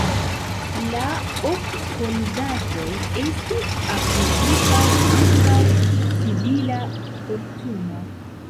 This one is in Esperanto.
La ok soldatoj estis akuzitaj antaŭ civila kortumo.